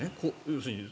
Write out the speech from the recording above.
要するに。